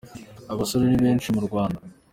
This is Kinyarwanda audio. Abasore ni benshi mu Rwanda.